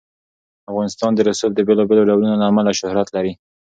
افغانستان د رسوب د بېلابېلو ډولونو له امله شهرت لري.